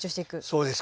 そうです